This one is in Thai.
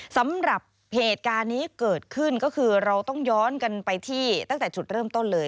สำหรับเหตุการณ์นี้เกิดขึ้นก็คือเราต้องย้อนกันไปที่ตั้งแต่จุดเริ่มต้นเลย